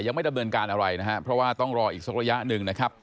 ยังไม่ดำเนินการอะไรนะครับเพราะว่าต้องรออีกสักระยะหนึ่งนะครับ